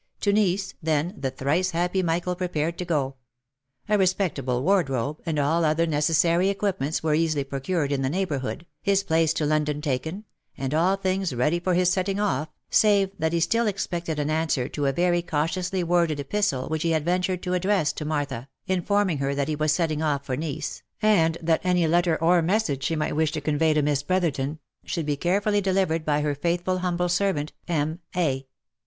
To Nice, then, the thrice happy Michael prepared to go; a respectable wardrobe, and all other necessary equipments were easily procured in the neighbourhood, his place to OF MICHAEL ARMSTRONG. 343 London taken, and all things ready for his setting off, save that he still expected an answer to a very cautiously worded epistle which he had ventured to address to Martha, informing her that he was setting off for Nice, and that any letter or message she might wish to convey to Miss Brotherton, should be carefully delivered by her faithful humble servant, M. A.